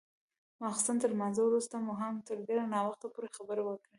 د ماخستن تر لمانځه وروسته مو هم تر ډېر ناوخته پورې خبرې وکړې.